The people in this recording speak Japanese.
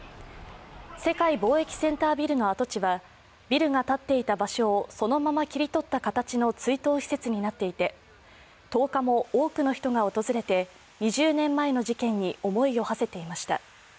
世界貿易センタービルの跡地はビルが建っていた場所をそのまま切り取った形の追悼施設になっていて１０日も多くの人が訪れて２０年前の事件に思いをはせていました。